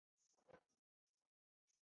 相关反馈是一些信息检索系统的特征。